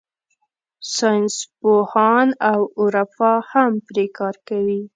ساینسپوهان او عرفا هم پرې کار کوي.